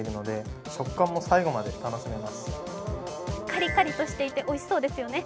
カリカリとしていておいしそうですよね。